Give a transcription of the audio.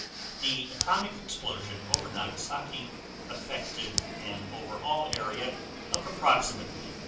The atomic explosion over Nagasaki affected an over all area of approximately 42.